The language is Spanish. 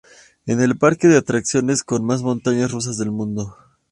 Es el parque de atracciones con más montañas rusas del mundo.